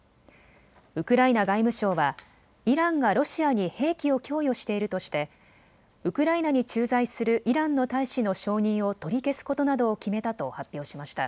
ウクライナ外務省はイランがロシアに兵器を供与しているとしてウクライナに駐在するイランの大使の承認を取り消すことなどを決めたと発表しました。